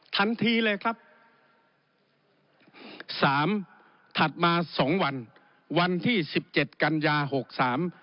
ทันทีเลยครับสามถัดมาสองวันวันที่สิบเจ็ดกันยาหกสาม